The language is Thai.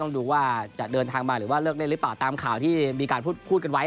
ต้องดูว่าจะเดินทางมาหรือลือไม่รึเปล่าแต่ตามข่าวที่มีการพูดกันไว้